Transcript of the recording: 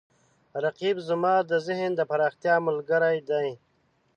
رقیب زما د ذهن د پراختیا ملګری دی